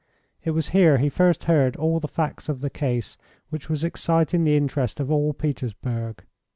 It was here he first heard all the facts of the case which was exciting the interest of all Petersburg.